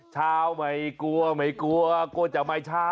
เช้าไม่กลัวไม่กลัวกลัวจะไม่เช้า